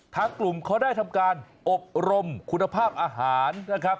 ทางกลุ่มเขาได้ทำการอบรมคุณภาพอาหารนะครับ